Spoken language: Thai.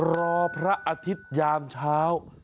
รอพระอาทิตยามเช้า